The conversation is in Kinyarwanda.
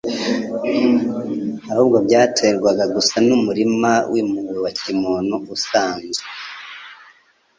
ahubwo byaterwaga gusa n'umurima w'impuhwe wa kimuntu usanzwe.